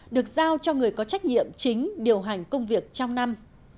được giao cho người có trách nhiệm chính điều hành công việc trong năm